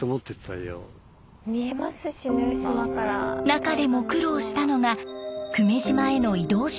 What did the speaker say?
中でも苦労したのが久米島への移動手段。